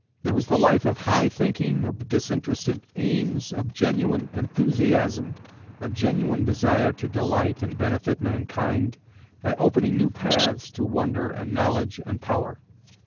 There was the life of high thinking, of disinterested aims, of genuine enthusiasm, of genuine desire to delight and benefit mankind, by opening new paths to wonder and knowledge and power.